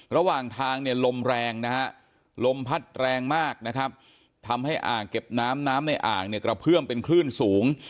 ระหว่างทางเนี่ยลมแรงนะฮะลมพัดแรงมากนะครับทำให้อ่างเก็บน้ำน้ำในอ่างเนี่ยกระเพื่อมเป็นคลื่นสูง